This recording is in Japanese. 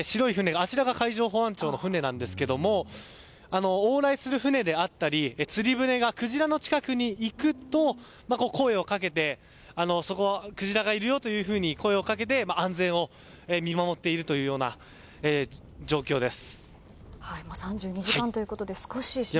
あちらが海上保安庁の船なんですが往来する船であったり釣り船がクジラの近くに行くと声をかけてそこはクジラがいるよというふうに声をかけて安全を見守っているというような状況です。